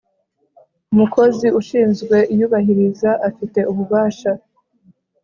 umukozi ushinzwe iyubahiriza afite ububasha